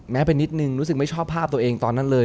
ไปนิดนึงรู้สึกไม่ชอบภาพตัวเองตอนนั้นเลย